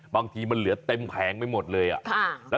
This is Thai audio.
บางทีมันเหลือเต็มแผงไม่หมดเลยอะค่ะค่ะ